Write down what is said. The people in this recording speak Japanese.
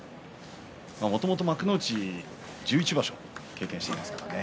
もともと幕内１１場所経験しています。